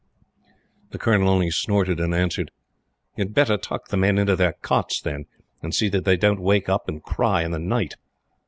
The Colonel only snorted and answered: "You'd better tuck the men into their cots, then, and see that they don't wake up and cry in the night."